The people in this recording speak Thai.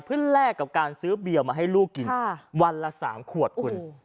เพื่อแลกกับการซื้อเบียวมาให้ลูกกินวันละ๓ขวดคุณ